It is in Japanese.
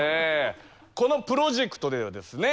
このプロジェクトではですね